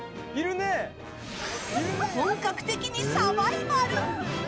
本格的にサバイバル！